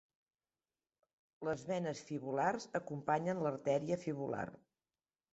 Les venes fibulars acompanyen l'artèria fibular.